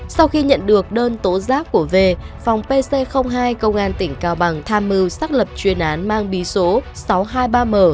sau khi nhận được đơn tố giác của v phòng pc hai công an tỉnh cao bằng tham mưu xác lập chuyên án mang bí số sáu trăm hai mươi ba m